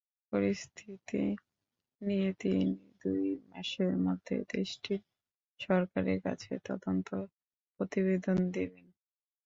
পরিস্থিতি নিয়ে তিনি দুই মাসের মধ্যে দেশটির সরকারের কাছে তদন্ত প্রতিবেদন দেবেন।